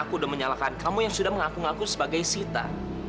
aku udah menyalahkan kamu yang sudah mengaku ngaku sebagai sita